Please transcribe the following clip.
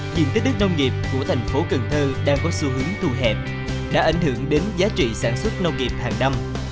diện tích đất nông nghiệp của thành phố cần thơ đang có xu hướng thu hẹp đã ảnh hưởng đến giá trị sản xuất nông nghiệp hàng năm